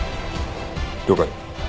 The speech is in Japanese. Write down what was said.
了解。